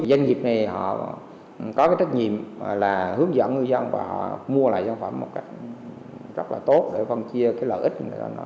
doanh nghiệp này họ có trách nhiệm là hướng dẫn người dân và họ mua lại dân phẩm một cách rất là tốt để phân chia lợi ích